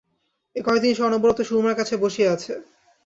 এ কয় দিন সে অনবরত সুরমার কাছে বসিয়া আছে।